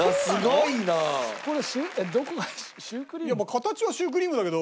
いや形はシュークリームだけど。